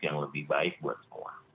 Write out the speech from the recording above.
yang lebih baik buat sekolah